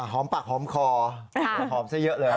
ปากหอมคอหอมซะเยอะเลย